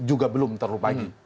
juga belum terlalu pagi